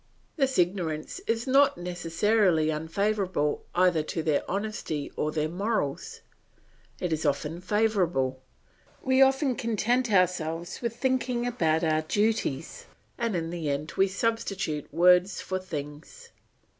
This ignorance is not necessarily unfavourable either to their honesty or their morals; it is often favourable; we often content ourselves with thinking about our duties, and in the end we substitute words for things.